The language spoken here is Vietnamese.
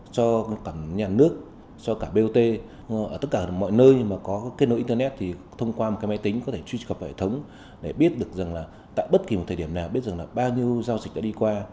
cho cả nhà nước cho cả bot ở tất cả mọi nơi mà có kết nối internet thì thông qua một cái máy tính có thể truy cập vào hệ thống để biết được rằng là tại bất kỳ một thời điểm nào biết rằng là bao nhiêu giao dịch đã đi qua